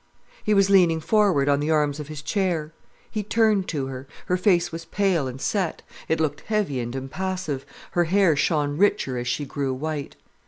He was leaning forward on the arms of his chair. He turned to her. Her face was pale and set. It looked heavy and impassive, her hair shone richer as she grew white.